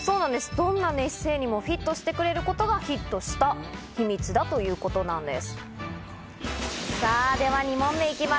どんな寝姿勢にもフィットしてくれることがヒットした秘密だということなんです。